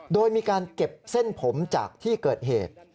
โดยมีการเก็บเส้นผมจากที่เกิดเหตุ